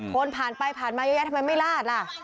คนผ่านไปผ่านมาเยอะแยะทำไมไม่ลาดล่ะ